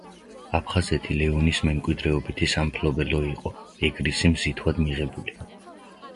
აფხაზეთი ლეონის მემკვიდრეობითი სამფლობელო იყო, ეგრისი მზითვად მიღებული.